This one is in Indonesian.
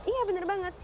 iya bener banget